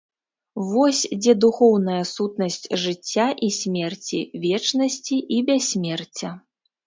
Вось дзе духоўная сутнасць жыцця і смерці, вечнасці і бяссмерця.